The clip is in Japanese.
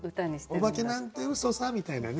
「おばけなんてうそさ」みたいなね。